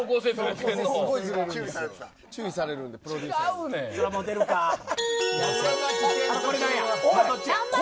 注意されるんでプロデューサーさんに。